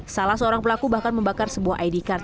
salah seorang pelaku bahkan membakar sebuah id card